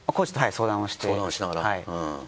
相談をしながら。